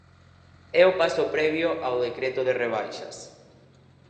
É o paso previo ao decreto de rebaixas.